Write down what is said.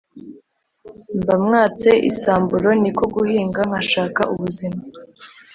mba mwatse isamburo niko guhinga nkashaka ubuzima